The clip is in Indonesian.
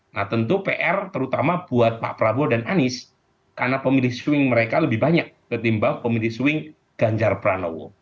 nah tentu pr terutama buat pak prabowo dan anies karena pemilih swing mereka lebih banyak ketimbang pemilih swing ganjar pranowo